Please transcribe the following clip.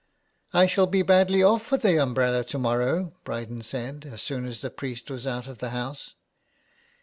" I shall be badly off for the umbrella to morrow,'' Bryden said, as soon as the priest was out of the house.